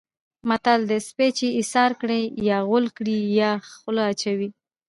متل دی: سپی چې ایسار کړې یا غول کړي یا خوله اچوي.